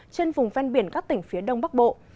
trên vùng ven biển các tỉnh phía đông bắc bộ